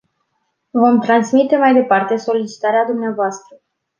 Vom transmite mai departe solicitarea dvs.